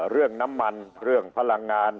เรื่องน้ำมันเรื่องพลังงาน